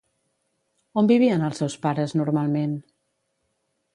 On vivien els seus pares normalment?